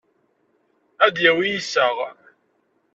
Ad d-yawi iseɣ.